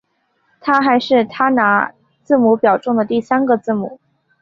它还是它拿字母表中的第三个字母。